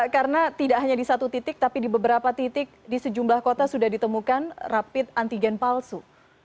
karena tidak hanya di satu titik tapi di beberapa titik di sejumlah kota sudah ditemukan rapid antigen palsu